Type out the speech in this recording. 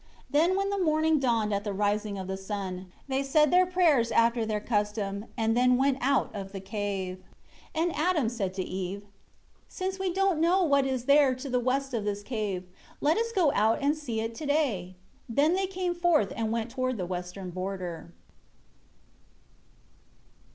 12 Then when the morning dawned at the rising of the sun, they said their prayers after their custom; and then went out of the cave. 13 And Adam said to Eve, "Since we don't know what there is to the west of this cave, let us go out and see it today." Then they came forth and went toward the western border.